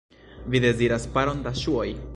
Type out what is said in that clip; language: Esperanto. Vi deziras paron da ŝuoj?